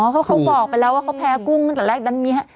เค้าบอกไปแล้วว่าเค้าแพ้กุ้งตอนแรกนั้นมี